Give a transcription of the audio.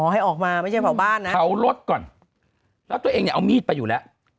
ให้ออกมาไม่ใช่เผาบ้านนะเผารถก่อนแล้วตัวเองเนี่ยเอามีดไปอยู่แล้ว